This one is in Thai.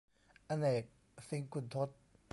อเนก สิงขุนทด